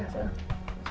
hai kak fahmi